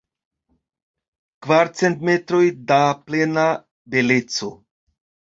Kvarcent metroj da plena beleco.